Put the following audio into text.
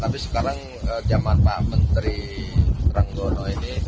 tapi sekarang zaman pak menteri ranggono ini